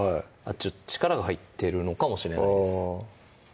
力が入ってるのかもしれないですあぁ